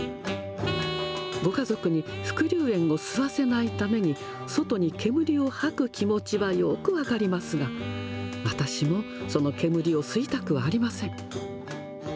ご家族に副流煙を吸わせないために、外に煙を吐く気持ちはよく分かりますが、私もその煙を吸いたくはありません。